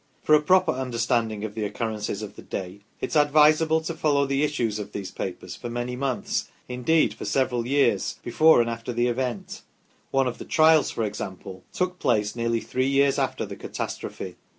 For a proper understanding of the occurrences of the day it is advisable to follow the issues of these papers for many months, indeed for several years, before and after the AUTHORITIES FOR DETAILS OF PETERLOO 7 event ; one of the trials, for example, took place nearly three years after the catastrophe.